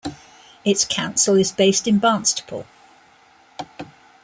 Its council is based in Barnstaple.